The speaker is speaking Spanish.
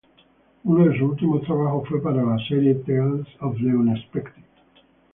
Uno de sus últimos trabajos fue para la serie "Tales of the Unexpected".